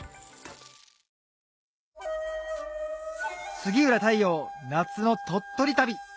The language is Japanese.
杉浦太陽夏の鳥取旅